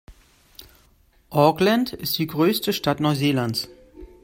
Auckland ist die größte Stadt Neuseelands.